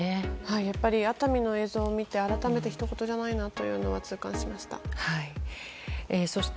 やっぱり熱海の映像を見て改めて、ひとごとじゃないなというのは痛感しました。